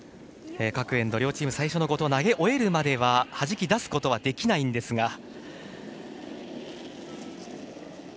各エンド、両チーム最初の５投を投げ終えるまでははじき出すことはできないんですが。